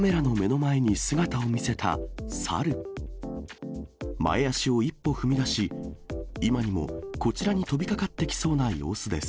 前足を一歩踏み出し、今にもこちらに飛びかかってきそうな様子です。